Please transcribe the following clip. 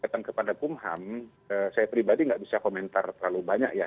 saya pribadi nggak bisa komentar terlalu banyak ya